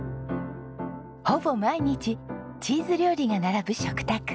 ほぼ毎日チーズ料理が並ぶ食卓。